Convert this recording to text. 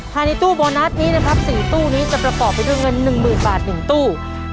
ภายในตู้โบนัสนี้นะครับ๔ตู้นี้จะประกอบไปด้วยเงิน๑๐๐๐บาท๑ตู้